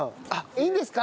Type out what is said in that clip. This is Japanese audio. いいんですか？